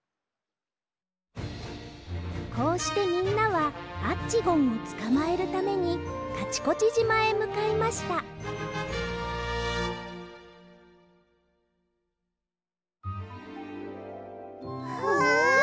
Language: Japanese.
こうしてみんなはアッチゴンをつかまえるためにカチコチじまへむかいましたわ！